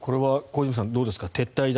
これは小泉さんどうですか？